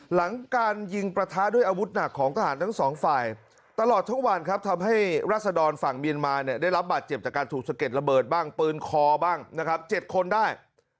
หลังการยิงประทะด้วยอาวุธหนักของทหารทั้งสองฝ่ายตลอดทั้งวันครับทำให้รัศดรฝั่งเมียนมาเนี่ยได้รับบาดเจ็บจากการถูกสะเก็ดระเบิดบ้างปืนคอบ้างนะครับ๗คนได้